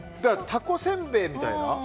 たこせんべいみたいな？